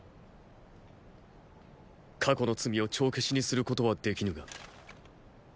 過去の罪を帳消しにすることはできぬが。